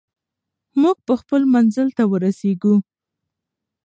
موږ به خپل منزل ته ورسېږو.